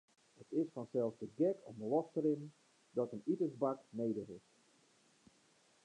It is fansels te gek om los te rinnen dat in itensbank nedich is.